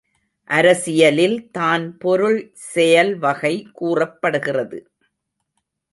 அரசியலில் தான் பொருள் செயல் வகை கூறப்படுகிறது.